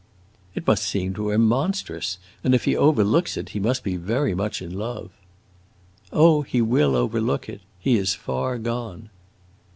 "It must seem to him monstrous, and if he overlooks it he must be very much in love." "Oh, he will overlook it. He is far gone."